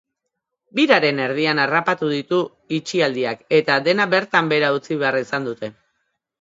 Biraren erdian harrapatu ditu itxialdiak eta dena bertan behera utzi behar izan dute.